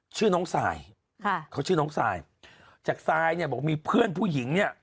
ชื่อน้องสายเขาชื่อน้องสายจากสายบอกว่ามีเพื่อนผู้หญิง